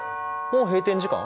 もう閉店時間？